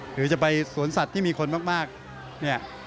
หรือจะไปสวนสัตว์ที่มีคนมากเนี่ย